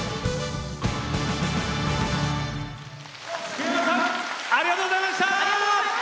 福山さんありがとうございました。